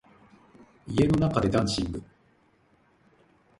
家の中でダンシング